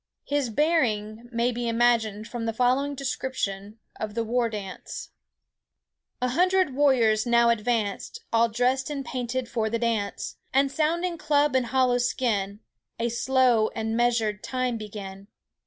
His bearing may be imagined from the following description of the war dance:— "A hundred warriors now advance, All dressed and painted for the dance; And sounding club and hollow skin, A slow and measured time begin.